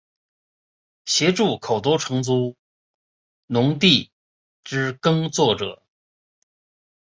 协助口头承租农地之耕作者